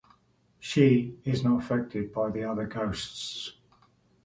She is not affected by the other ghosts.